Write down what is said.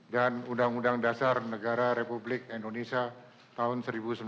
dan undang undang dasar negara republik indonesia tahun seribu sembilan ratus empat puluh lima